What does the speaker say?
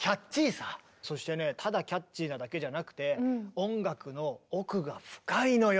そしてねただキャッチーなだけじゃなくて音楽の奥が深いのよ